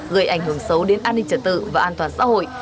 gây ảnh hưởng xấu đến an ninh trật tự và an toàn xã hội